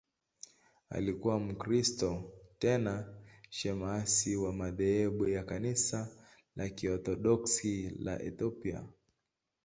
Alikuwa Mkristo, tena shemasi wa madhehebu ya Kanisa la Kiorthodoksi la Ethiopia.